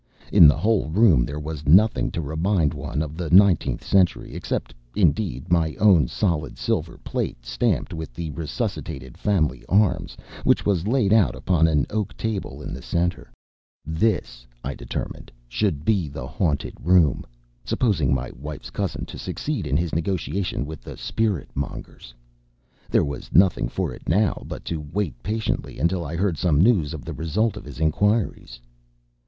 In the whole room there was nothing to remind one of the nineteenth century; except, indeed, my own solid silver plate, stamped with the resuscitated family arms, which was laid out upon an oak table in the centre. This, I determined, should be the haunted room, supposing my wife's cousin to succeed in his negotiation with the spirit mongers. There was nothing for it now but to wait patiently until I heard some news of the result of his inquiries.